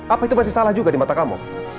apa itu masih salah juga di mata kamu